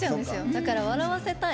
だから笑わせたい。